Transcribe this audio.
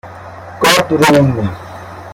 گابرون